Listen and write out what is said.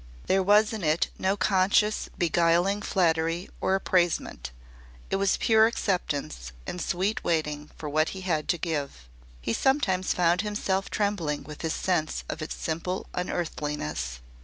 There was in it no conscious beguiling flattery or appraisement it was pure acceptance and sweet waiting for what he had to give. He sometimes found himself trembling with his sense of its simple unearthliness.